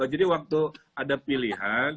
jadi waktu ada pilihan